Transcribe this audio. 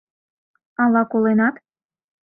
Ала коленат?